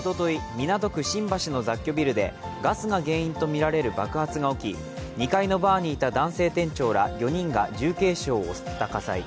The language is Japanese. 港区新橋の雑居ビルでガスが原因とみられる爆発が起き２階のバーにいた男性店長ら４人が重軽傷を負った火災。